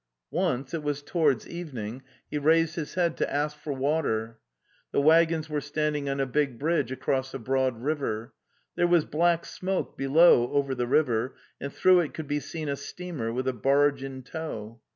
Once — it was towards evening —he raised his head to ask for water. The waggons were standing on a big bridge across a broad river. There was black smoke below over the river, and through it could be seen a steamer with a barge intow.